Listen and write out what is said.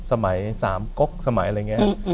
สมัย๓ก๊กสมัยอะไรอย่างนี้